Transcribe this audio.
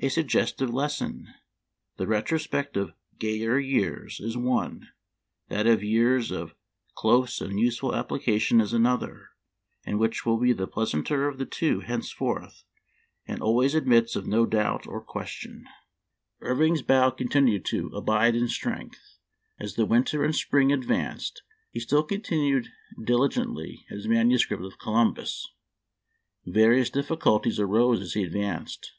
A suggestive lesson ! The retrospect of "gayer years" is one; that of years of close and useful application is another ; and which will be the pleasanter of the two henceforth and always admits of no doubt or question. 156 Memoir of Washington Irving. Irving's bow continued to " abide in strength." As the winter and spring advanced he still con tinued diligently at his manuscript of Columbus. Various difficulties arose as he advanced.